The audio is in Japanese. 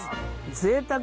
ぜいたく。